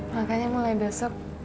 makanya mulai besok